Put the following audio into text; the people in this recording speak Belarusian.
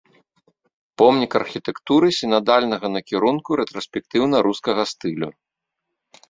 Помнік архітэктуры сінадальнага накірунку рэтраспектыўна-рускага стылю.